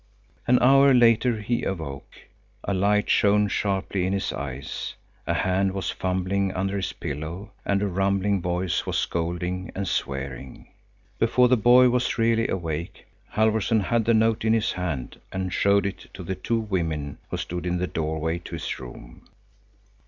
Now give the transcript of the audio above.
An hour later he awoke. A light shone sharply in his eyes; a hand was fumbling under his pillow and a rumbling voice was scolding and swearing. Before the boy was really awake, Halfvorson had the note in his hand and showed it to the two women, who stood in the doorway to his room.